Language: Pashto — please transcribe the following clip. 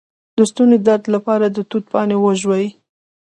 د ستوني درد لپاره د توت پاڼې وژويئ